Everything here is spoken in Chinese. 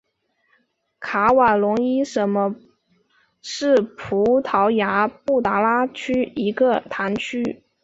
卡瓦隆伊什是葡萄牙布拉加区的一个堂区。